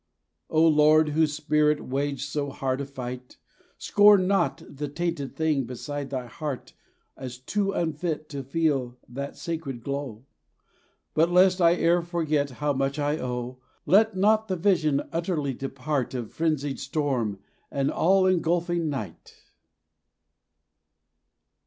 O Lord, whose spirit waged so hard a fight, Scorn not the tainted thing beside thy heart As too unfit to feel that sacred glow; But lest I ere forget how much I owe, Let not the vision utterly depart Of frenzied storm and all engulfing night.